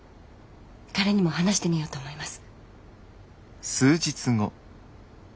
彼にも話してみようと思います。